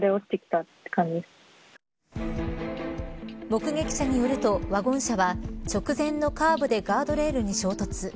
目撃者によるとワゴン車は直前のカーブでガードレールに衝突。